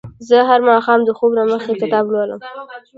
زه هر ماښام د خوب نه مخکې کتاب لولم.